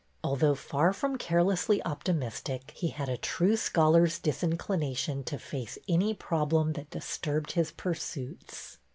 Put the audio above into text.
Although far from carelessly optimis tic, he had a true scholar's disinclination to face any problem that disturbed his pursuits.